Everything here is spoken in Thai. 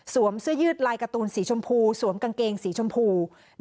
เสื้อยืดลายการ์ตูนสีชมพูสวมกางเกงสีชมพู